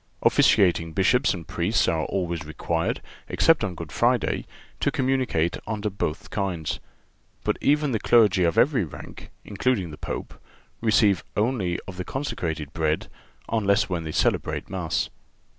Officiating Bishops and Priests are always required, except on Good Friday, to communicate under both kinds. But even the clergy of every rank, including the Pope, receive only of the consecrated bread unless when they celebrate Mass.